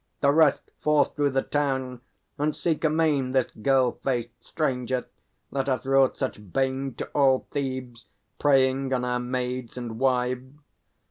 The rest, forth through the town! And seek amain This girl faced stranger, that hath wrought such bane To all Thebes, preying on our maids and wives.